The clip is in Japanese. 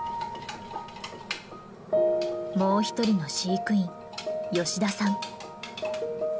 もう一人の飼育員吉田さん。